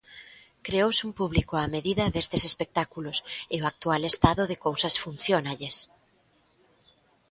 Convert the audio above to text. Creouse un público á medida destes espectáculos e o actual estado de cousas funciónalles.